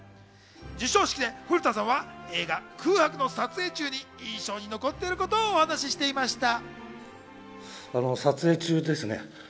授賞式で古田さんは映画『空白』の撮影中に印象に残っていることをお話していました。